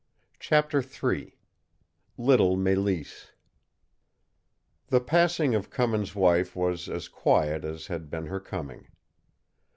CHAPTER III LITTLE MELISSE The passing of Cummins' wife was as quiet as had been her coming.